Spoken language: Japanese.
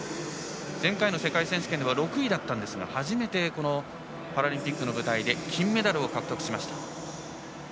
前回の世界選手権では６位だったんですが初めて、パラリンピックの舞台で金メダルを獲得しました。